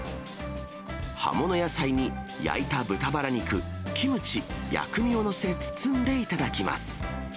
葉物野菜に焼いた豚ばら肉、キムチ、薬味を載せ、包んで頂きます。